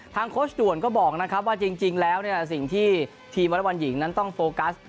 โค้ชด่วนก็บอกนะครับว่าจริงแล้วสิ่งที่ทีมวอเล็กบอลหญิงนั้นต้องโฟกัส